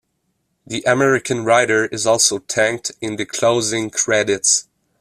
The American writer is also thanked in the closing credits.